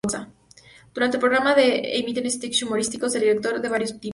Durante el programa se emiten sketches humorísticos en directo de varios tipos.